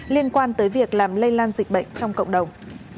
liên quan tới việc làm lây lan dịch bệnh trong cộng đồng